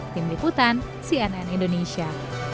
tim liputan cnn indonesia